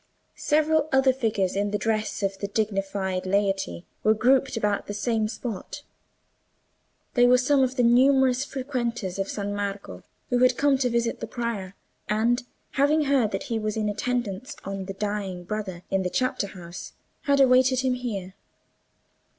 Several other figures in the dress of the dignified laity were grouped about the same spot. They were some of the numerous frequenters of San Marco, who had come to visit the Prior, and having heard that he was in attendance on the dying Brother in the chapter house, had awaited him here.